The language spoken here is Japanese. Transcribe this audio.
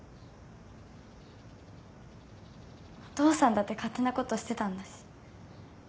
お父さんだって勝手なことしてたんだし。